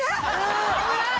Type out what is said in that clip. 危ない！